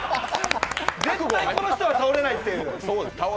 絶対この人は倒れないっていう。